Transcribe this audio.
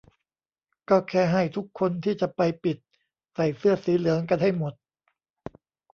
ก็แค่ให้ทุกคนที่จะไปปิดใส่เสื้อสีเหลืองกันให้หมด